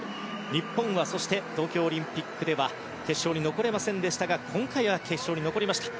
日本は東京オリンピックでは決勝に残れませんでしたが今回は決勝に残りました。